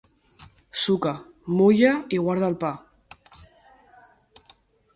Suca, mulla i guarda el pa.